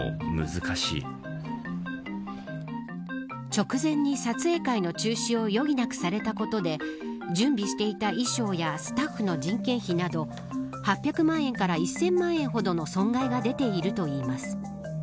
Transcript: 直前に撮影会の中止を余儀なくされたことで準備していた衣装やスタッフの人件費など８００万円から１０００万円ほどの損害が出ているといいます。